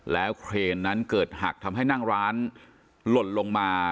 แล้วเครนนั้นเกิดหักทำให้นั่งร้านหล่นลงมา